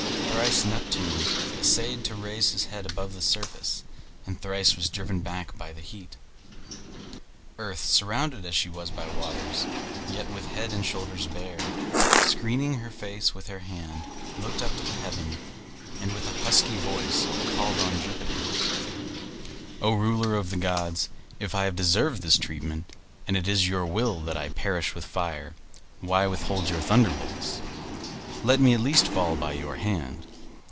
Thrice Neptune essayed to raise his head above the surface, and thrice was driven back by the heat. Earth, surrounded as she was by waters, yet with head and shoulders bare, screening her face with her hand, looked up to heaven, and with a husky voice called on Jupiter: "O ruler of the gods, if I have deserved this treatment, and it is your will that I perish with fire, why withhold your thunderbolts? Let me at least fall by your hand.